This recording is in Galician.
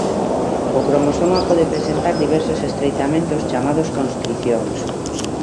O cromosoma pode presentar diversos estreitamentos chamados constricións.